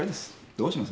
どうします？